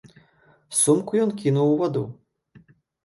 Сумку ён кінуў у ваду.